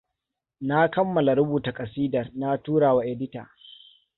Na kammala rubuta ƙasidar na turawa edita.